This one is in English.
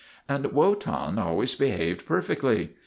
And Wotan always behaved perfectly.